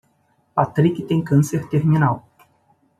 Patrick tem câncer terminal.